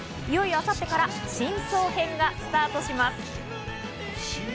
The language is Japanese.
いよいよ明後日から真相編がスタートします。